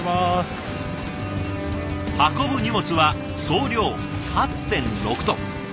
運ぶ荷物は総量８．６トン。